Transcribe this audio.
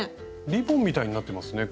リボンみたいになってますね